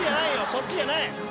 そっちじゃない。